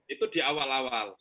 itu di awal awal